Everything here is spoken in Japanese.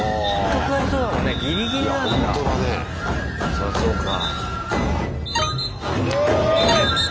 そりゃそうか。